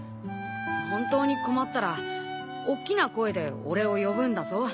本当に困ったらおっきな声で俺を呼ぶんだぞ。